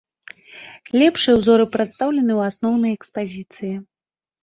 Лепшыя ўзоры прадстаўлены ў асноўнай экспазіцыі.